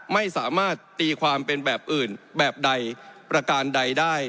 ไม่สามารถตีความเป็นแบบอื่นแบบใดประการใดได้